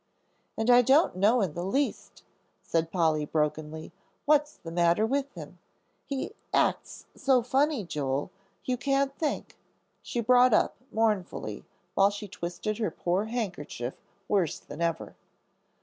"And I don't know in the least," said Polly, brokenly, "what's the matter with him. He acts so funny, Joel, you can't think," she brought up, mournfully, while she twisted her poor handkerchief worse than ever.